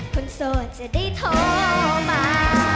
โสดจะได้โทรมา